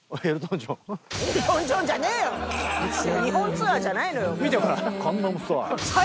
日本ツアーじゃないのよ。